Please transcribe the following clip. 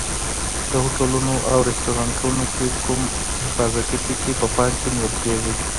د هوټلونو او رستورانتونو کې کوم حفاظتي ټکي په پام کې نیول کېږي؟